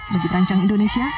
bagi perancang indonesia